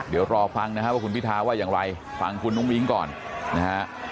เดี๋ยวรอฟังนะฮะว่าคุณพิทาว่าอย่างไรฟังคุณอุ้งอิ๊งก่อนนะฮะ